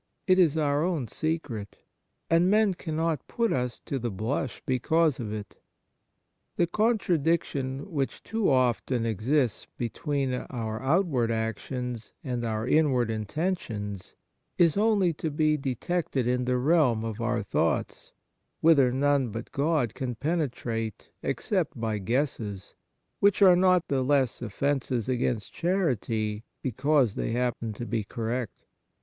It is our own secret, and men cannot put us to the blush because of it. The contradiction which too often exists between our out ward actions and our inward intentions is only to be detected in the realm of our thoughts, whither none but God can pene trate, except by guesses, which are not the less offences against charity because they happen to be correct.